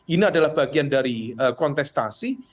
ini adalah bagian dari kontestasi